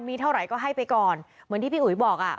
มีเท่าไหร่ก็ให้ไปก่อนเหมือนที่พี่อุ๋ยบอกอ่ะ